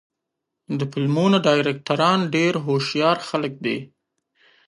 د فلمونو ډایرکټران ډېر هوښیار خلک دي.